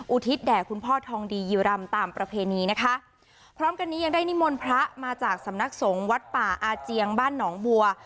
อุทิศแด่คุณพ่อทองดียิรำตามประเพณีนะคะพร้อมกันนี้ยังได้นิมนต์พระมาจากสำนักสงฆ์วัดป่าอาเจียงบ้านหนองบัว